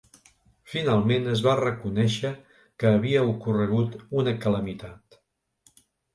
Finalment es va reconèixer que havia ocorregut una calamitat.